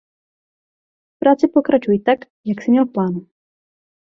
V práci pokračuj tak, jak jsi měl v plánu.